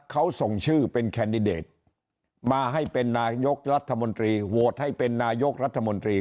เขาส่งชื่อเป็นแคนดิเดตมาให้เป็นนายกรัฐมนตรีโหวตให้เป็นนายกรัฐมนตรี